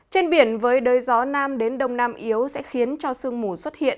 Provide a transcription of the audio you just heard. trên biển với đới gió nam đến đông nam yếu sẽ khiến cho sương mù xuất hiện